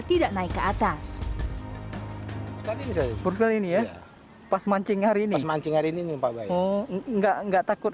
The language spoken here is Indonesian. tidak naik ke atas berkualitas berkualitas pas mancing hari ini mancing hari ini enggak takut